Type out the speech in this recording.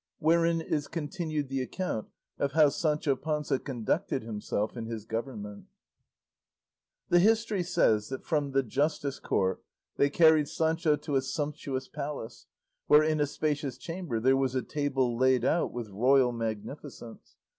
WHEREIN IS CONTINUED THE ACCOUNT OF HOW SANCHO PANZA CONDUCTED HIMSELF IN HIS GOVERNMENT The history says that from the justice court they carried Sancho to a sumptuous palace, where in a spacious chamber there was a table laid out with royal magnificence.